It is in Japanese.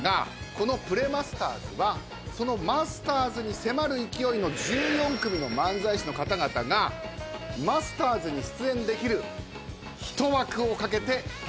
この『プレマスターズ』はその『マスターズ』に迫る勢いの１４組の漫才師の方々が『マスターズ』に出演できる一枠を懸けて戦います。